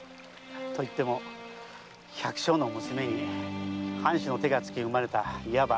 と言っても百姓の娘に藩主の手がつき生まれたいわば妾腹の子です。